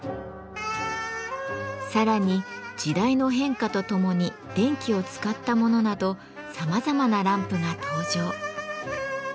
さらに時代の変化とともに電気を使ったものなどさまざまなランプが登場。